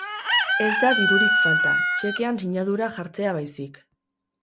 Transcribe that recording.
Ez da dirurik falta, txekean sinadura jartzea baizik.